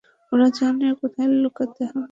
ওরা জানে কোথায় লুকাতে হবে।